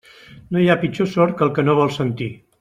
No hi ha pitjor sord que el que no vol sentir.